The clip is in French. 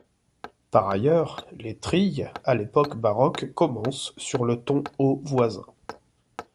Par ailleurs, les trilles à l'époque baroque commencent sur le ton haut voisin.